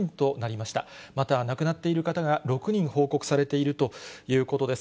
また亡くなっている方が６人報告されているということです。